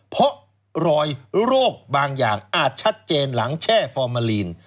เพราะรอยโรคบางอย่างอาจชัดเจนหลังแช่ฟอร์มาลีน